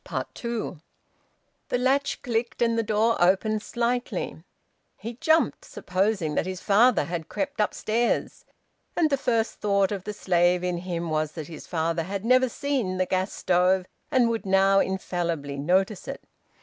TWO. The latch clicked and the door opened slightly. He jumped, supposing that his father had crept upstairs. And the first thought of the slave in him was that his father had never seen the gas stove and would now infallibly notice it.